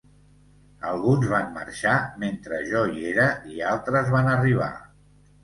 Alguns van marxar mentre jo hi era i altres van arribar.